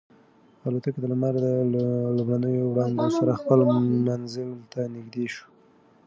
الوتکه د لمر د لومړنیو وړانګو سره خپل منزل ته نږدې شوه.